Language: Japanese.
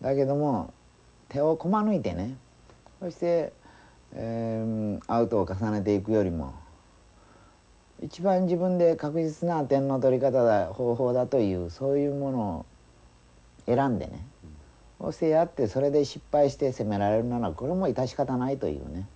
だけども手をこまねいてねそしてアウトを重ねていくよりも一番自分で確実な点の取り方だ方法だというそういうものを選んでねそしてやってそれで失敗して責められるのならこれはもう致し方ないというね。